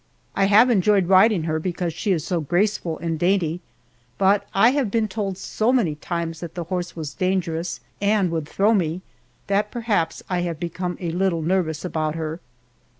I have enjoyed riding her because she is so graceful and dainty, but I have been told so many times that the horse was dangerous and would throw me, that perhaps I have become a little nervous about her.